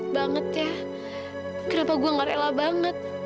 sakit banget ya kenapa gua ga rela banget